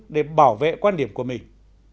để bảo vệ quan điểm của mình